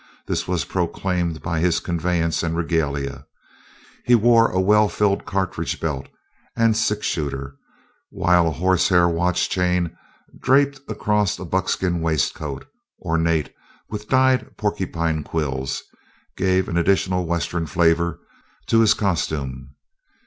This was proclaimed by his conveyance and regalia. He wore a well filled cartridge belt and six shooter, while a horse hair watch chain draped across a buckskin waistcoat, ornate with dyed porcupine quills, gave an additional Western flavor to his costume.